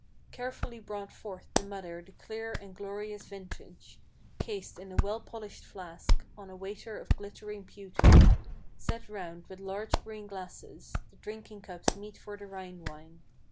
Carefully brought forth the mother the clear and glorious vintage, Cased in a well polished flask, on a waiter of glittering pewter, Set round with large green glasses, the drinking cups meet for the Rhine Wine.